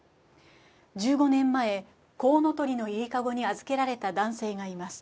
１５年前こうのとりのゆりかごに預けられた男性がいます。